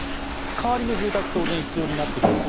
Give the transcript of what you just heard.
代わりの住宅が当然、必要になってきます。